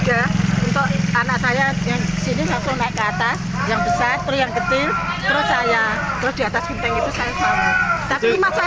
langsung naik ke atas yang besar yang kecil terus saya terus di atas gede itu saya selalu tapi masa